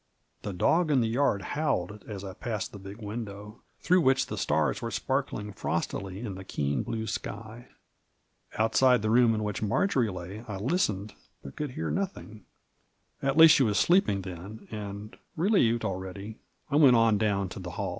The dog in the yard howled as I passed the big window, through which the stars were sparkling frostily in the keen blue sky. Out side the room in which Marjory lay I listened, but could hear nothing. At least she was sleeping then, and, re lieved abeady, I went on down to the haU.